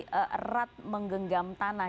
terat menggenggam tanah